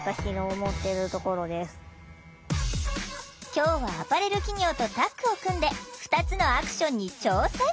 今日はアパレル企業とタッグを組んで２つのアクションに挑戦。